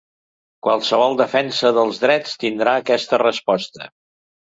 Qualsevol defensa dels drets tindrà aquesta resposta.